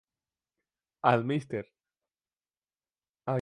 And Mrs.